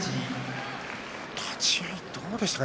立ち合い、どうでしたか？